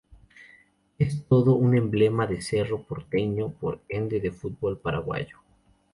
Es todo un emblema de Cerro Porteño y por ende del fútbol paraguayo.